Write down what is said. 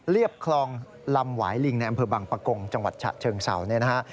เลียบคลองลำหวายลิงในอำเภอบางประกงจังหวัดชะเชิงเสานะครับ